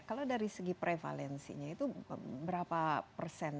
kalau dari segi prevalensinya itu berapa persen